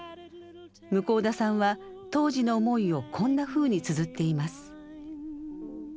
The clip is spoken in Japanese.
向田さんは当時の思いをこんなふうにつづっています。